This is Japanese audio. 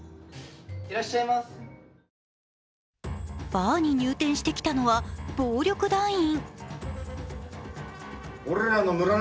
バーに入店してきたのは、暴力団員。